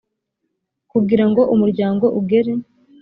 kugira ngo umuryango ugere